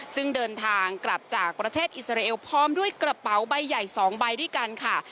ซึ่งเดินทางกลับจากประเทศอิสราเอลพร้อมด้วยกระเป๋าใบใหญ่๒ใบด้วยกันค่ะ